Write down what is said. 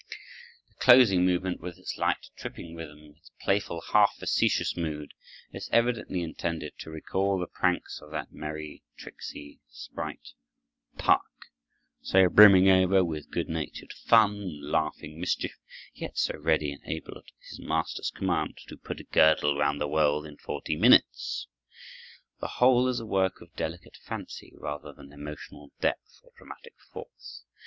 The closing movement, with its light, tripping rhythm, its playful, half facetious mood, is evidently intended to recall the pranks of that merry, tricksy sprite, Puck, so brimming over with good natured fun and laughing mischief, yet so ready and able, at his master's command, to "put a girdle round the world in forty minutes." The whole is a work of delicate fancy rather than emotional depth or dramatic force.